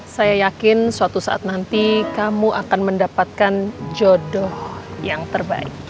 saya yakin suatu saat nanti kamu akan mendapatkan jodoh yang terbaik